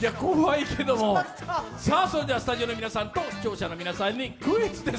スタジオの皆さんと視聴者の皆さんにクイズです。